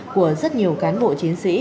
của rất nhiều cán bộ chiến sĩ